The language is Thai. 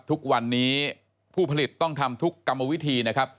ทุกวันนี้ผู้ผลิตต้องทำทุกกรรมวิธีนะครับ